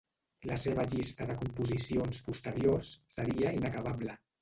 La seva llista de composicions posteriors seria inacabable.